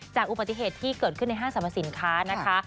อุบัติเหตุที่เกิดขึ้นในห้างสรรพสินค้านะคะ